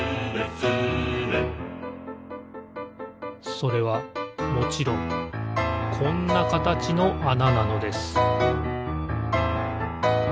それはもちろんこんなかたちのあななのです